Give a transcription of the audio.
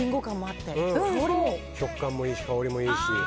食感もいいし香りもいいし。